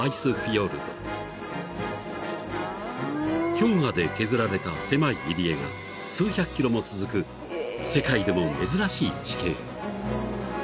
［氷河で削られた狭い入り江が数百ｋｍも続く世界でも珍しい地形］